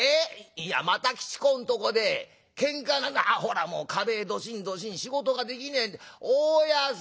いやまた吉公んとこでケンカあほらもう壁ドシンドシン仕事ができねえ大家さん！」。